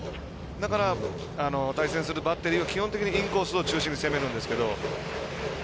だから、対戦するバッテリーは基本的にインコースを中心に攻めるんですけど。